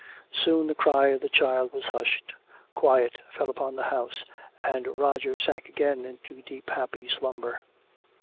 Soon the cry of the child was hushed. Quiet fell upon the house. And Roger sank again into deep happy slumber.